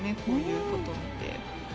こういうことで。